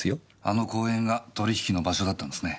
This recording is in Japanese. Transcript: あの公園が取り引きの場所だったんですね。